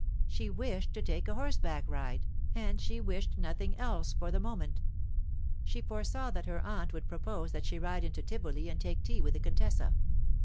She wished to take a horseback ride, and she wished nothing else for the moment. She foresaw that her aunt would propose that she ride into Tivoli and take tea with the contessa.